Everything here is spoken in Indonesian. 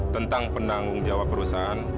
tentang penanggung jawab perusahaan